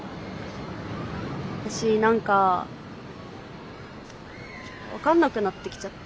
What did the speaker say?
私何か分かんなくなってきちゃって。